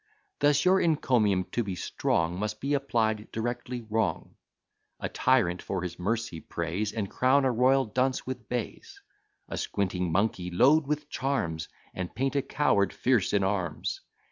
Thus your encomium, to be strong, Must be applied directly wrong. A tyrant for his mercy praise, And crown a royal dunce with bays: A squinting monkey load with charms, And paint a coward fierce in arms.